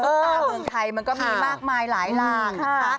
ต้าเมืองไทยมันก็มีมากมายหลายรางนะคะ